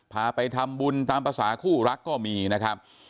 พาไปทำบุญตามภาษาคู่รักก็มีนะครับ